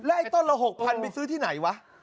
ไอ้ต้นละ๖๐๐๐ไปซื้อที่ไหนวะ